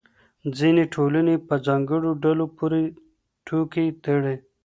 ځینې ټولنې په ځانګړو ډلو پورې ټوکې تړي.